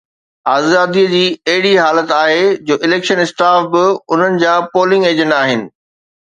آزاديءَ جي اهڙي حالت آهي جو اليڪشن اسٽاف به انهن جا پولنگ ايجنٽ آهن